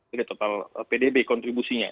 jadi total pdb kontribusinya